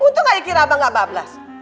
untuk gak dikira abang gak bablas